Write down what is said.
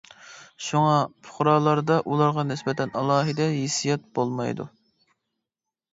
شۇڭا، پۇقرالاردا ئۇلارغا نىسبەتەن ئالاھىدە ھېسسىيات بولمايدۇ.